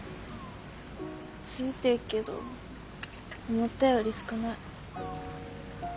ついてっけど思ったより少ない。